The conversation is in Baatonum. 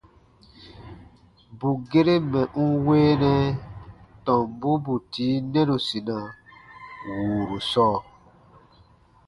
Bù gere mɛ̀ n weenɛ tɔmbu bù tii nɛnusina wùuru sɔɔ.